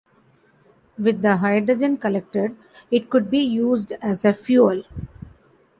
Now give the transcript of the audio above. With the hydrogen collected, it could be used as a fuel.